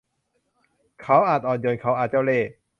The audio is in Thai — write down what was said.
เขาอาจอ่อนโยน เขาอาจเจ้าเลห์